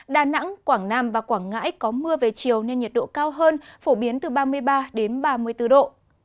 đà nẵng quảng nam và quảng ngãi có mưa về chiều nên nhiệt độ cao hơn phổ biến từ ba mươi ba đến ba mươi bốn độ